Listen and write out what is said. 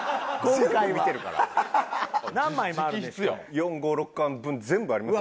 ４５６巻分全部あります。